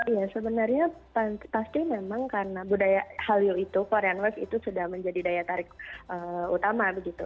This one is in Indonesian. ya sebenarnya pasti memang karena budaya halio itu korean wave itu sudah menjadi daya tarik utama begitu